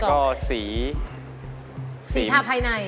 ก็สีสีทาภายใน